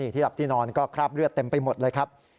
หลับที่นอนก็คราบเลือดเต็มไปหมดเลยครับ